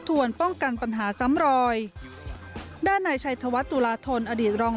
ทวนป้องกันปัญหาซ้ำรอยด้านหน่ายชัยโตวศรีตุลาธนทร์อดีตรอง